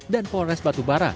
dan polres batubara